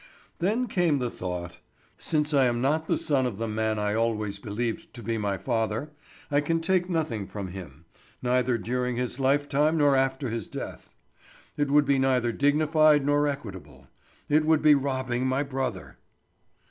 Then came the thought: "Since I am not the son of the man I always believed to be my father, I can take nothing from him, neither during his lifetime nor after his death. It would be neither dignified nor equitable. It would be robbing my brother."